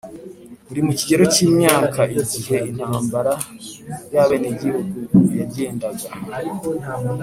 uri mu kigero cy imyaka igihe intambara y abenegihugu yagendaga